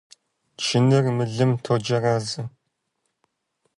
Чыныр мылым тоджэразэ.